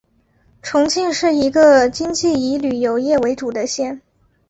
重庆是一个经济以旅游业为主的县。